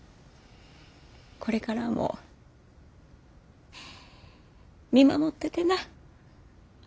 これからも見守っててな。